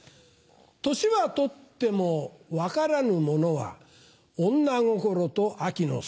年はとっても分からぬものは女心と秋の空。